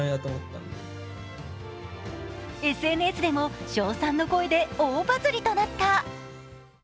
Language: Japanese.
ＳＮＳでも称賛の声で大バズりとなった。